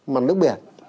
màn nước biển